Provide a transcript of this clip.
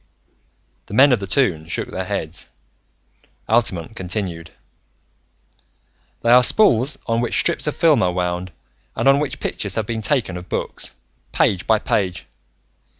The men of the Toon shook their heads. Altamont continued: "They are spools on which strips of films are wound and on which pictures have been taken of books, page by page.